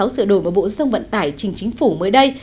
sự đổi bộ dân vận tải trình chính phủ mới đây